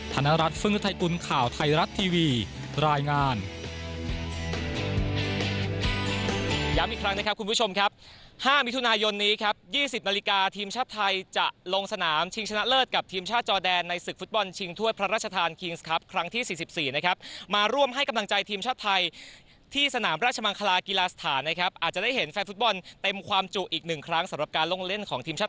ธนรัฐฟึ่งฤทัยกุลข่าวไทยรัฐทีวีรายงาน